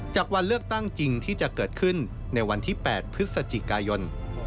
วันเลือกตั้งจริงที่จะเกิดขึ้นในวันที่๘พฤศจิกายน